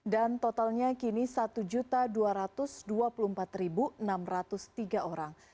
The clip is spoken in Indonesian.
dan totalnya kini satu dua ratus dua puluh empat enam ratus tiga orang